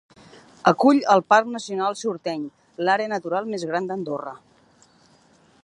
Acull el Parc Nacional Sorteny, l'àrea natural més gran d'Andorra.